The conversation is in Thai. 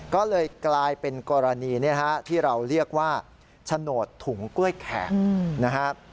ก็เลยกลายเป็นกรณีที่เราเรียกว่าโฉนดถุงกล้วยแขกนะครับ